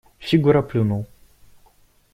Фигура плюнул.